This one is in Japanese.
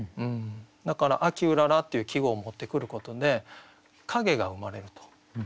だから「秋麗」っていう季語を持ってくることで影が生まれると。